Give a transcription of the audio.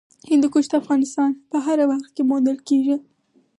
هندوکش د افغانستان په هره برخه کې موندل کېږي.